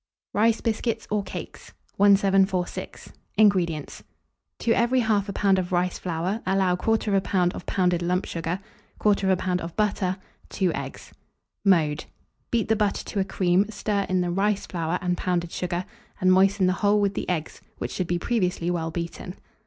RICE BISCUITS OR CAKES. 1746. INGREDIENTS. To every 1/2 lb. of rice flour allow 1/4 lb. of pounded lump sugar, 1/4 lb. of butter, 2 eggs. Mode. Beat the butter to a cream, stir in the rice flour and pounded sugar, and moisten the whole with the eggs, which should be previously well beaten.